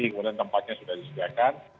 kemudian tempatnya sudah disediakan